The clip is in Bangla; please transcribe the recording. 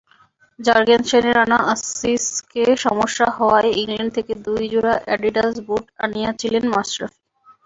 জার্গেনসেনের আনা অ্যাসিক্সে সমস্যা হওয়ায় ইংল্যান্ড থেকে দুই জোড়া অ্যাডিডাস বুট আনিয়েছিলেন মাশরাফি।